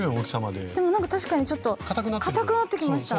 でもなんか確かにちょっとかたくなってきました。